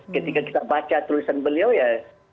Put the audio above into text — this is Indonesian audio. ketika kita baca tulisan beliau ya